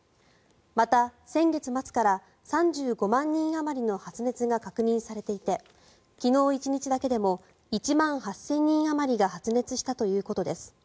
また、先月末から３５万人あまりの発熱が確認されていて昨日１日だけでも１万８０００人あまりが発熱したということです。